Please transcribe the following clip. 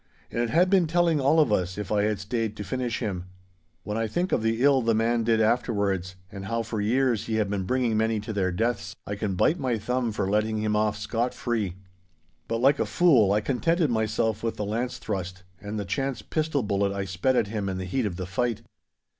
And it had been telling all of us if I had stayed to finish him. When I think of the ill the man did afterwards, and how for years he had been bringing many to their deaths, I can bite my thumb for letting him off scot free. But, like a fool, I contented myself with the lance thrust and the chance pistol bullet I sped at him in the heat of the fight.